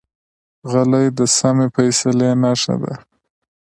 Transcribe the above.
غلی، د سمې فیصلې نښه ده.